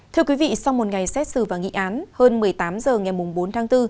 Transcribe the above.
thưa quý vị sau một ngày xét xử và nghị án hơn một mươi tám h ngày bốn tháng bốn